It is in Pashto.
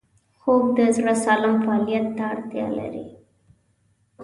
خوب د زړه سالم فعالیت ته اړتیا لري